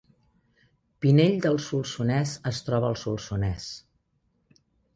Pinell de Solsonès es troba al Solsonès